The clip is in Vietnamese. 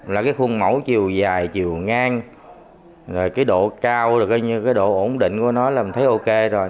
là cái khuôn mẫu chiều dài chiều ngang rồi cái độ cao cái độ ổn định của nó là mình thấy ok rồi